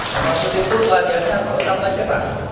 kalau begitu keadaannya harus tambah cerah